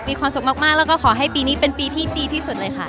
มีความสุขมากแล้วก็ขอให้ปีนี้เป็นปีที่ดีที่สุดเลยค่ะ